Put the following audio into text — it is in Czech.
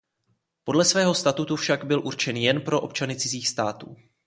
Podle svého statutu byl však určen jen pro občany cizích států.